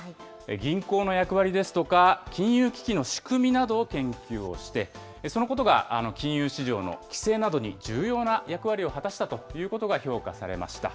銀行の役割ですとか、金融危機の仕組みなどを研究をして、そのことが金融市場の規制などに重要な役割を果たしたということが評価されました。